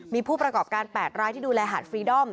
มีผู้ประกอบการ๘รายที่ดูแลหาดฟรีดอม